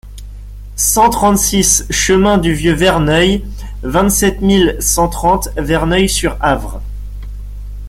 cent trente-six chemin du Vieux Verneuil, vingt-sept mille cent trente Verneuil-sur-Avre